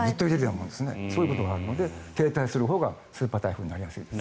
そういうことがあるので停滞する時間が長いとスーパー台風になりやすいです。